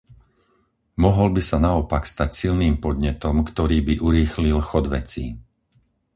Mohol by sa naopak stať silným podnetom, ktorý by urýchlil chod vecí.